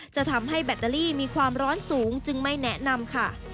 จะทำให้แบตเตอรี่มีความร้อนสูงจึงไม่แนะนำค่ะ